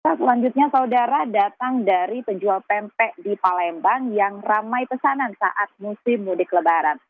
tahap selanjutnya saudara datang dari penjual pempek di palembang yang ramai pesanan saat musim mudik lebaran